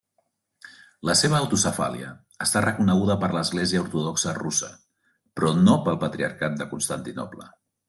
La seva autocefàlia està reconeguda per l'Església Ortodoxa Russa, però no pel Patriarcat de Constantinoble.